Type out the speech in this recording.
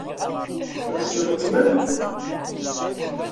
Ad tt-tleqqmem?